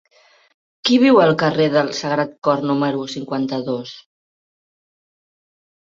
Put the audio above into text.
Qui viu al carrer del Sagrat Cor número cinquanta-dos?